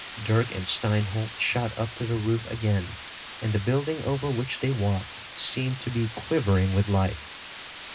Dirk and Steinholt shot up to the roof again and the building over which they walked seemed to be quivering with life.